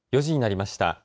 ４時になりました。